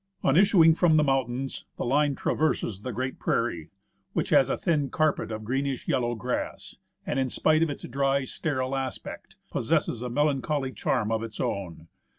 On issuing from the mountains, the line traverses the great prairie, which has a thin carpet of greenish yellow grass, and in spite of its dry, sterile aspect, possesses a melancholy charm of its own.